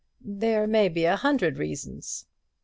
"There may be a hundred reasons."